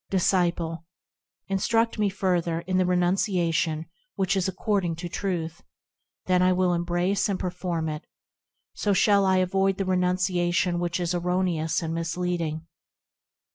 Disciple. Instruct me further in the renunciation which is according to Truth, Then I will embrace and perform it; So shall I avoid the renunciation which is erroneous and misleading.